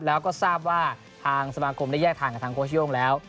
แล้วก็ทราบว่าทางสมาคมได้แยกทางกับทางโค้ชโย่งแล้ว